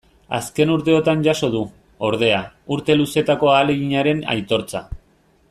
Azken urteotan jaso du, ordea, urte luzetako ahaleginaren aitortza.